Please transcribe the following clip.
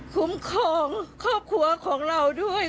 คุ้มครองครอบครัวของเราด้วย